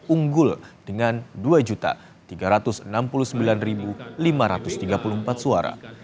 unggul dengan dua tiga ratus enam puluh sembilan lima ratus tiga puluh empat suara